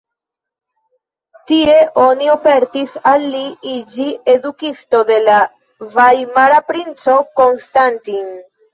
Tie oni ofertis al li iĝi edukisto de la vajmara princo Konstantin.